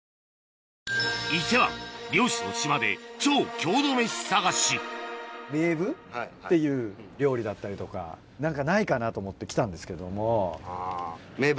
伊勢湾漁師の島で超郷土メシ探しメーブっていう料理だったりとか何かないかなと思って来たんですけども。